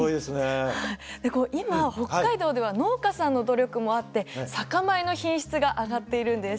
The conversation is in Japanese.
で今北海道では農家さんの努力もあって酒米の品質が上がっているんです。